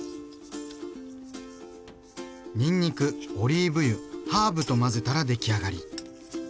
にんにくオリーブ油ハーブと混ぜたら出来上がり。